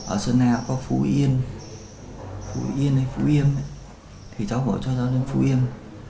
ở sơn la có phú yên phú yên hay phú yêm thì cháu hỏi cho cháu nên phú yêm